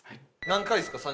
何回ですか？